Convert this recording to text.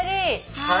・はい。